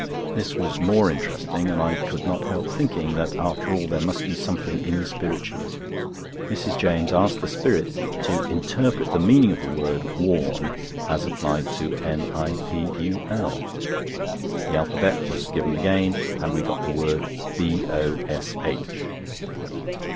This was more interesting, and I could not help thinking that after all there must be something in Spiritualism. Mrs. James asked the spirit to interpret the meaning of the word "Warn" as applied to "NIPUL." The alphabet was given again, and we got the word "BOSH."